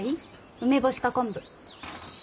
梅干しか昆布。